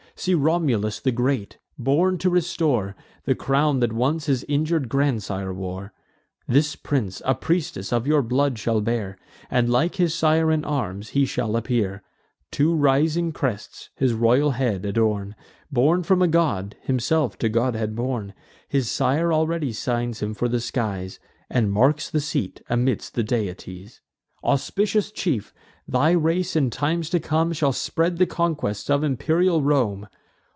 See Romulus the great, born to restore The crown that once his injur'd grandsire wore. This prince a priestess of your blood shall bear, And like his sire in arms he shall appear. Two rising crests, his royal head adorn; Born from a god, himself to godhead born: His sire already signs him for the skies, And marks the seat amidst the deities. Auspicious chief! thy race, in times to come, Shall spread the conquests of imperial Rome.